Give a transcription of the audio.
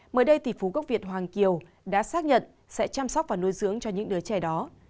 mới đây tỷ phú quốc việt hoàng kiều đã xác nhận sẽ chăm sóc và nuôi dưỡng cho những đứa trẻ đó